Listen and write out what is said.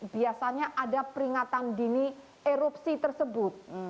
biasanya ada peringatan dini erupsi tersebut